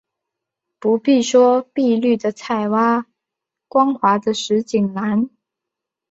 不必说碧绿的菜畦，光滑的石井栏